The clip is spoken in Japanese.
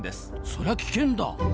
そりゃ危険だ！